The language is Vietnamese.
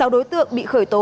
sáu đối tượng bị khởi tố